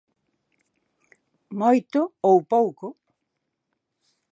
Moito ou pouco.